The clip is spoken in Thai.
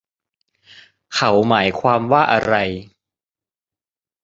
เขาหมายความว่าอะไร